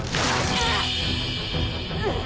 うっ。